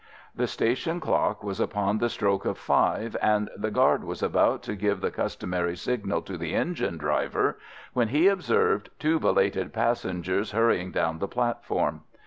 The station clock was upon the stroke of five, and the guard was about to give the customary signal to the engine driver when he observed two belated passengers hurrying down the platform.